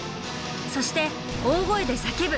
そして大声で叫ぶ！